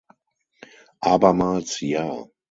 Abermals ja!